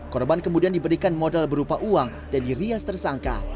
korban kemudian diberikan modal berupa uang dan dirias tersangka